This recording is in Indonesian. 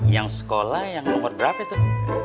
yang sekolah yang nomor berapa itu